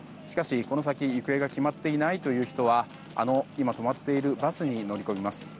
しかし、この先行く先が決まっていない人が止まっているバスに乗り込みます。